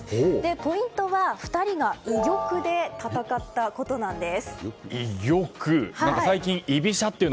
ポイントは２人が居玉で戦ったことなんです。